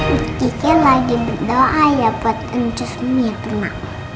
mis gigi lagi berdoa ya buat nges mirna